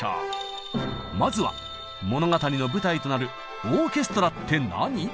まずは物語の舞台となるオーケストラって何？